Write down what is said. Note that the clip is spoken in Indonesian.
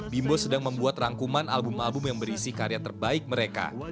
bimbo sedang membuat rangkuman album album yang berisi karya terbaik mereka